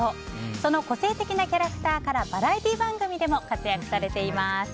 その個性的なキャラクターからバラエティー番組でも活躍されています。